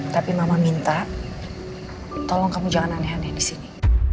tapi mama minta tolong kamu jangan aneh aneh di sini